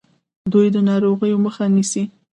دوی د ناروغیو مخه نیسي.